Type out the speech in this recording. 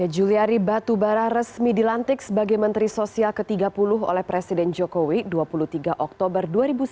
juliari batubara resmi dilantik sebagai menteri sosial ke tiga puluh oleh presiden jokowi dua puluh tiga oktober dua ribu sembilan belas